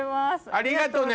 ありがとね。